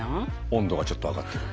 温度がちょっと上がってる。